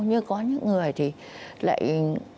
như có những người thì lại